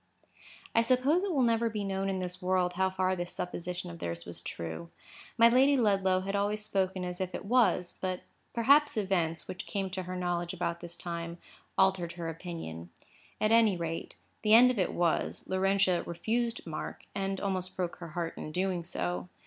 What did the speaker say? I suppose it will never be known in this world how far this supposition of theirs was true. My Lady Ludlow had always spoken as if it was; but perhaps events, which came to her knowledge about this time, altered her opinion. At any rate, the end of it was, Laurentia refused Mark, and almost broke her heart in doing so.